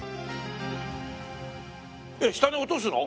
えっ下に落とすの？